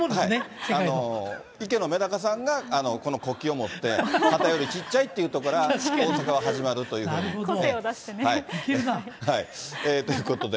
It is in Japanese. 池乃めだかさんがこの国旗を持って、旗よりちっちゃいってところから大阪は始まるということで。